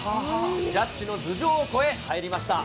ジャッジの頭上を越え、入りました。